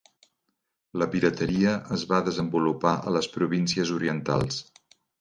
La pirateria es va desenvolupar a les províncies orientals.